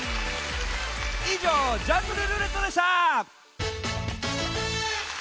いじょう「ジャングルるーれっと」でした！